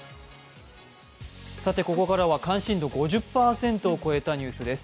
ここからは関心度５０％を超えたニュースです。